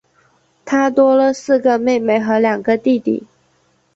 她多了四个妹妹和两个弟弟